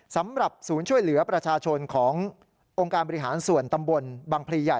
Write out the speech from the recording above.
สำหรับศูนย์ช่วยเหลือประชาชนขององค์การบริหารส่วนตำบลบังพลีใหญ่